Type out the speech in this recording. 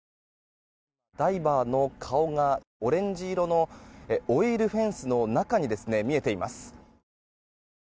ダイバーの顔がオレンジ色のオイルフェンスの中に見えています。